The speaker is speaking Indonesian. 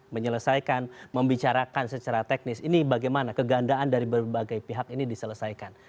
menyelesaikan membicarakan secara teknis ini bagaimana kegandaan dari berbagai pihak ini diselesaikan